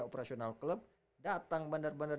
operasional klub datang bandar bandar